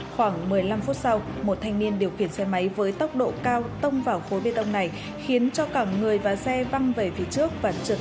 khoảng một mươi năm phút sau một thanh niên điều khiển xe máy với tốc độ cao tông vào khối bê tông này khiến cho cả người và xe văng về phía trước và trượt một đoạn dài trên đường